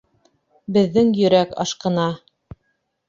Беҙҙең йөрәк ашҡына.